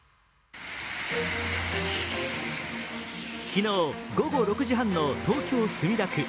昨日、午後６時半の東京・墨田区。